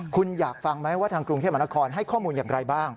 คุณอยากฟังไหมว่าทางกรุงเทพมหานครให้ข้อมูลอย่างไรบ้าง